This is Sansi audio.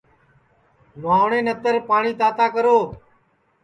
نہواٹؔے نتر پاٹؔی تاتا کرو